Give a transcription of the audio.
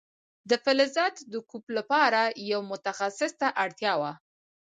د فلزاتو د کوب لپاره یو متخصص ته اړتیا وه.